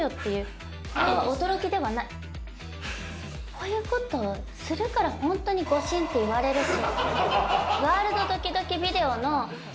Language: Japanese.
こういうことするから誤審って言われるし。